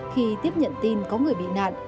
khi tiếp nhận tin có người bị nạn